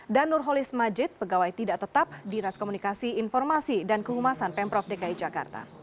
dan nurholis majid pegawai tidak tetap dinas komunikasi informasi dan kengumasan pemprov dki jakarta